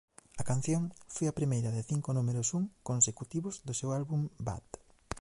A canción foi a primeira de cinco números un consecutivos do seu álbum "Bad".